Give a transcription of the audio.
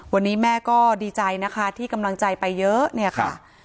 วันนี้แม่ก็ดีใจนะคะที่กำลังใจไปเยอะเนี่ยค่ะ